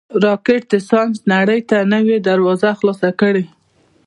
راکټ د ساینس نړۍ ته نوې دروازه خلاصه کړې